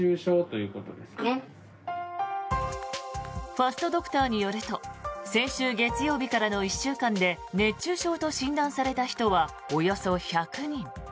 ファストドクターによると先週月曜日からの１週間で熱中症と診断された人はおよそ１００人。